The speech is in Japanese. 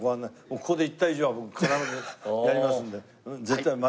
ここで言った以上は僕必ずやりますんで。